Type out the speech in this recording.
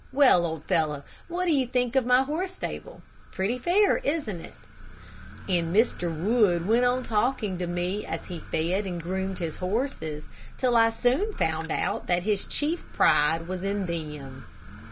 Well, old fellow, what do you think of my horse stable? Pretty fair, isn't it?" And Mr. Wood went on talking to me as he fed and groomed his horses, till I soon found out that his chief pride was in them.